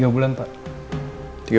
tiga bulan pak